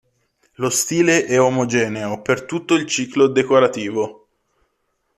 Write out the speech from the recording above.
Lo stile è omogeneo per tutto il ciclo decorativo.